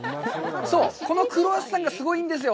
このクロワッサンがすごいいいんですよ。